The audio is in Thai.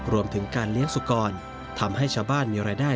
รวมถึงการเลี้ยงสุกรทำให้ชาวบ้านมีรายได้